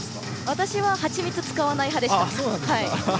私は蜂蜜使わない派でした。